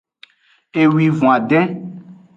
Ewivon adin.